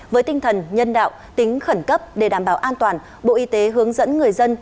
với tinh thần nhân đạo tính khẩn cấp để đảm bảo an toàn bộ y tế hướng dẫn người dân